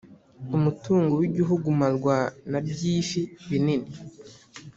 Umutungo w’igihugu umarwa na byifi binini